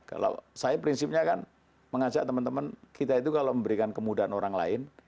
kalau saya prinsipnya kan mengajak teman teman kita itu kalau memberikan kemudahan orang lain